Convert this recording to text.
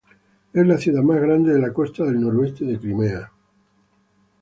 Es la ciudad más grande de la costa del noroeste de Crimea.